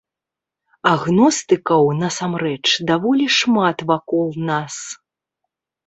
Агностыкаў, насамрэч, даволі шмат вакол нас.